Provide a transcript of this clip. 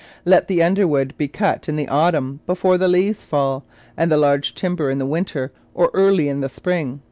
Let the underwood be cut in the autumn before the leaves fall, and the large timber in the winter or early in the spring.